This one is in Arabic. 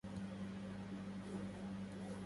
الفنان موهوب.